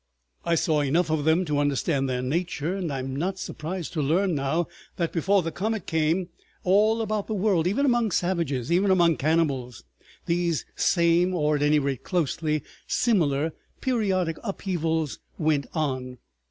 I saw enough of them to understand their nature, and I am not surprised to learn now that before the comet came, all about the world, even among savages, even among cannibals, these same, or at any rate closely similar, periodic upheavals went on.